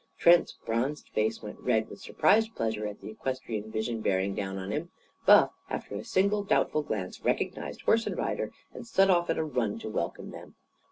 Trent's bronzed face went red with surprised pleasure at the equestrian vision bearing down on him. Buff, after a single doubtful glance, recognised horse and rider, and set off at a run to welcome them.